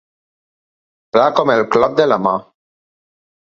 Pla com el clot de la mà.